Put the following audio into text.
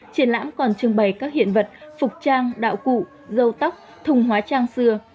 triển lãm còn trưng bày các hiện vật phục trang đạo cụ dâu tóc thùng hóa trang xưa